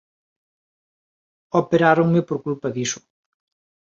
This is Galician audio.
Operáronme por culpa diso